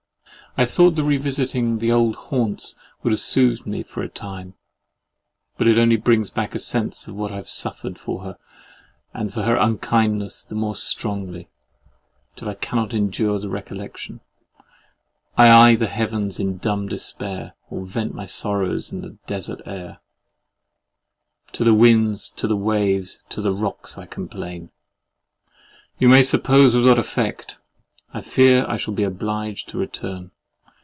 I thought the revisiting the old haunts would have soothed me for a time, but it only brings back the sense of what I have suffered for her and of her unkindness the more strongly, till I cannot endure the recollection. I eye the Heavens in dumb despair, or vent my sorrows in the desart air. "To the winds, to the waves, to the rocks I complain"—you may suppose with what effect! I fear I shall be obliged to return.